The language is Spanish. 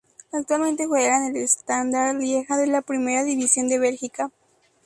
Actualmente juega en el Standard Lieja de la Primera División de Belgica.